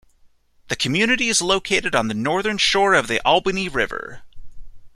The community is located on the northern shore of the Albany River.